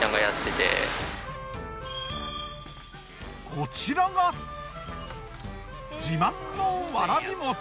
こちらが自慢のわらびもち。